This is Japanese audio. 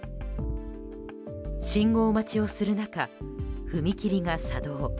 信号待ちをする中、踏切が作動。